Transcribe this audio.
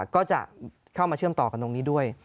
ก็จะเข้ามาเชื่อมต่อกันตรงนี้ด้วย